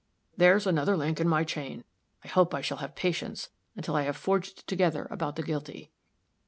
There's another link in my chain. I hope I shall have patience until I shall have forged it together about the guilty."